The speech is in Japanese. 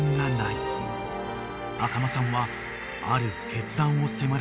［赤間さんは］